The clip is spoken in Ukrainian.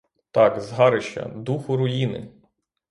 Так, згарища, духу руїни!